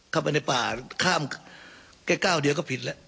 เข้าไปในป่าข้ามแค่ก้าวเดียวก็ผิดแล้ว